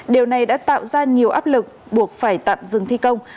điều này đã tạo ra nhiều áp lực buộc phải tạm dừng thi công